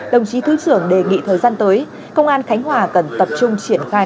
đồng chí thứ trưởng đề nghị thời gian tới công an khánh hòa cần tập trung triển khai